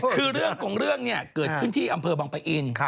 ครึ่งเรื่องเนี่ยเกิดขึ้นที่อำเภอบังปิอินทร์